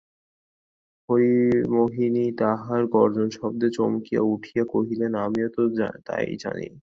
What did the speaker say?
হরিমোহিনী তাহার গর্জনশব্দে চমকিয়া উঠিয়া কহিলেন, আমিও তো তাই জানি।